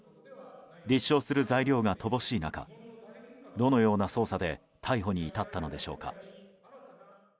立証する材料が乏しい中どのような捜査で逮捕に至ったのでしょうか。